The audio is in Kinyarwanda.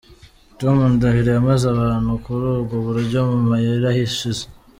Tom Ndahiro yamaze abantu kuri ubwo buryo, mu mayeri ahishe.